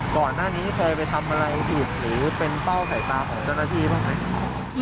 ก่อนหน้านี้เคยไปทำอะไรผิดหรือเป็นเป้าใส่ตาของเจ้าหน้าที่บ้างไหม